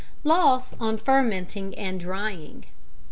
] _Loss on Fermenting and Drying.